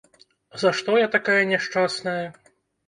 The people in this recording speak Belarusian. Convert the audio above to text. За што я такая няшчасная?